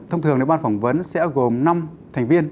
thông thường ban phỏng vấn sẽ gồm năm thành viên